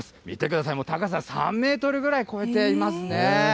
見てください、高さ３メートルぐらい超えていますね。